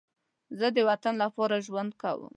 زه د وطن لپاره ژوند کوم